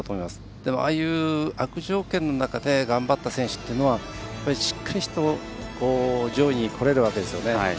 でも、ああいう悪条件の中で頑張った選手というのはしっかりと上位にこれるわけですよね。